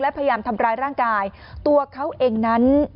พยายามทำร้ายร่างกายตัวเขาเองนั้น